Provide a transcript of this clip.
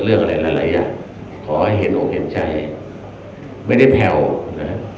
เรื่องอะไรละละอย่างขอให้เห็นโอกเห็นใจไม่ได้แผ่วนะฮะ